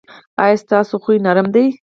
ایا ستاسو خوی نرم دی؟